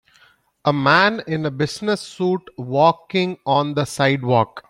A man in a business suit walking on the sidewalk.